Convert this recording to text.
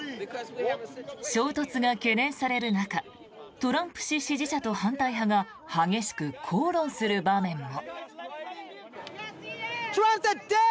衝突が懸念される中トランプ氏支持者と反対派が激しく口論する場面も。